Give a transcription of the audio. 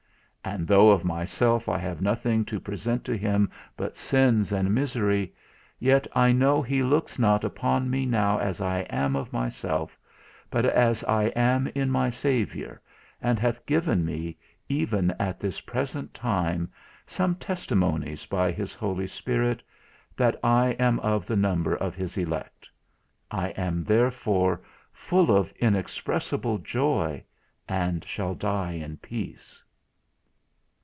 And though of myself I have nothing to present to Him but sins and misery, yet I know He looks not upon me now as I am of myself, but as I am in my Saviour, and hath given me, even at this present time, some testimonies by His Holy Spirit, that I am of the number of His Elect: I am therefore full of inexpressible joy, and shall die in peace."